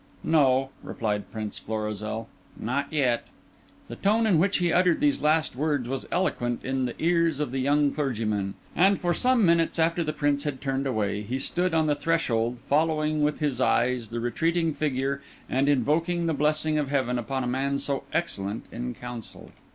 "No," replied Prince Florizel, "not yet." The tone in which he uttered these last words was eloquent in the ears of the young clergyman; and for some minutes after the Prince had turned away he stood on the threshold following with his eyes the retreating figure and invoking the blessing of heaven upon a man so excellent in counsel.